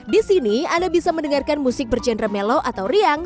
di sini anda bisa mendengarkan musik bergenre mellow atau rock